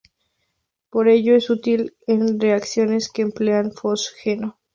Por ello, es útil en reacciones que empleen fosgeno.